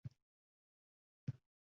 Qaramoqqa ko’zim bermas dosh.